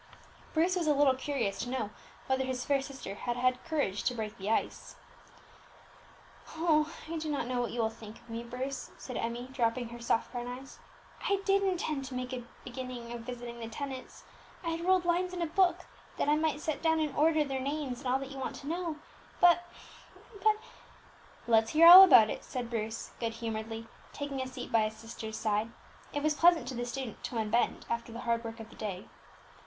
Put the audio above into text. Bruce was a little curious to know whether his fair sister had had courage to "break the ice." "Oh! I do not know what you will think of me, Bruce," said Emmie, dropping her soft brown eyes. "I did intend to make a beginning of visiting the tenants; I had ruled lines in a book, that I might set down in order their names and all that you want to know; but but " "Let's hear all about it," said Bruce good humouredly, taking a seat by his sister's side: it was pleasant to the student to unbend after the hard work of the day.